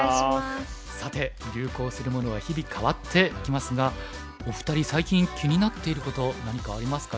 さて流行するものは日々変わってきますがお二人最近気になっていること何かありますか？